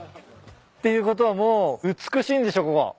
ていうことはもう美しいんでしょここ。